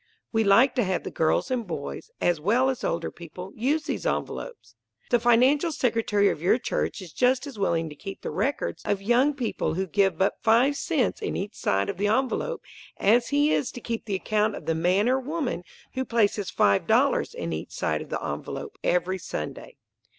We like to have the girls and boys, as well as older people, use these envelopes. The financial secretary of your church is just as willing to keep the records of young people who give but five cents in each side of the envelope as he is to keep the account of the man or woman who places five dollars in each side of the envelope every Sunday.